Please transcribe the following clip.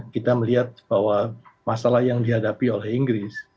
kita melihat bahwa masalah yang dihadapi oleh inggris